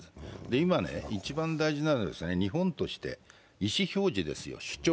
今、一番大事なのは日本として意思表示ですよ、主張。